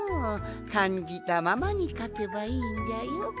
かんじたままにかけばいいんじゃよ。